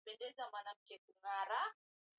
Kidole kimoja kinauma.